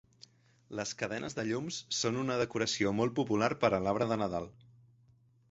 Les cadenes de llums són una decoració molt popular per a l'arbre de Nadal